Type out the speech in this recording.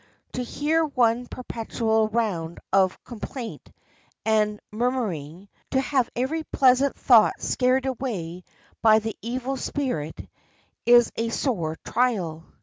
To hear one perpetual round of complaint and murmuring, to have every pleasant thought scared away by this evil spirit, is a sore trial.